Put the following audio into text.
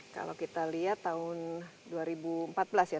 kalau kita lihat tahun dua ribu empat belas ya